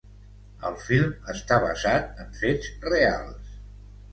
El film està basat en fets reals.